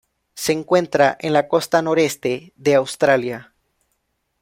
Se encuentra en la costa noreste de Australia.